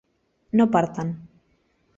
no partan